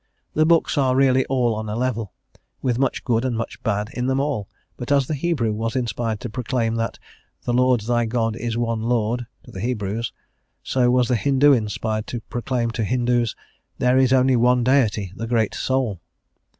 The books are really all on a level, with much good and much bad in them all; but as the Hebrew was inspired to proclaim that "the Lord thy God is one Lord" to the Hebrews, so was the Hindoo inspired to proclaim to Hindoos, "There is only one Deity, the great Soul."